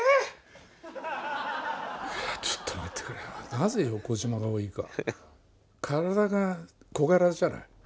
なぜ横ジマが多いか。